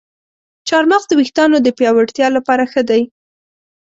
چارمغز د ویښتانو د پیاوړتیا لپاره ښه دی.